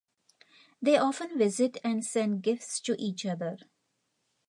They often visit and send gifts to each other.